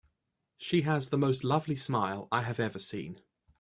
She has the most lovely smile I have ever seen.